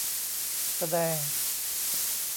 แสดง